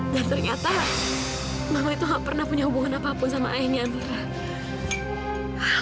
dan ternyata mama itu gak pernah punya hubungan apapun sama ayahnya mira